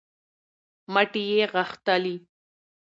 مټې یې غښتلې